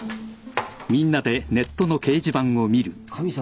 「神様。